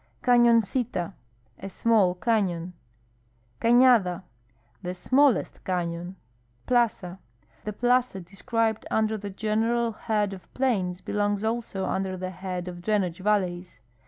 CanoncUa. — A small canon. Canada. — The smallest cafion. Plaza. — The plaza described under the general head of plains belongs also under the head of drainage valleys.